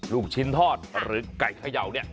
ลูกชิ้นทอดหรือไก่เขย่าเนี่ย